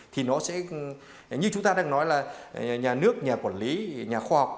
thì nó sẽ như chúng ta đang nói là nhà nước nhà quản lý nhà khoa học